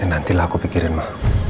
ya nantilah aku pikirin ma